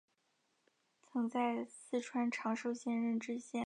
曾在四川长寿县任知县。